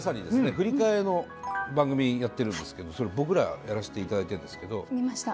振り返りの番組やってるんですけどそれ僕らやらしていただいてるんですけど。見ました。